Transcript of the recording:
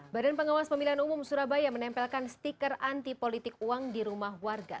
badan pengawas pemilihan umum surabaya menempelkan stiker anti politik uang di rumah warga